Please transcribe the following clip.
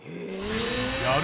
やる